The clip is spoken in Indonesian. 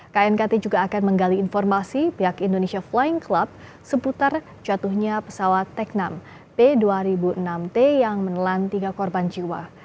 knkt juga akan menggali informasi pihak indonesia flying club seputar jatuhnya pesawat teknam p dua ribu enam t yang menelan tiga korban jiwa